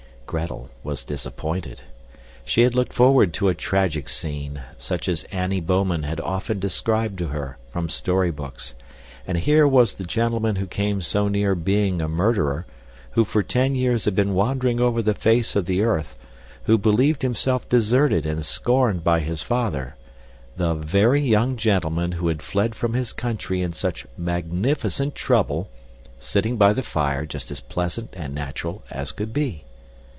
Gretel was disappointed. She had looked forward to a tragic scene, such as Annie Bouman had often described to her, from storybooks; and here was the gentleman who came so near being a murderer, who for ten years had been wandering over the face of the earth, who believed himself deserted and scorned by his father the very young gentleman who had fled from his country in such magnificent trouble, sitting by the fire just as pleasant and natural as could be!